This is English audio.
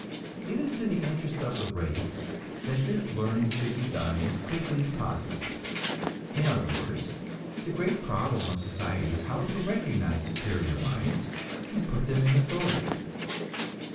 It is to the interest of the race that this learning should be done as quickly as possible. In other words, the great problem of society is how to recognize superior minds and put them in authority.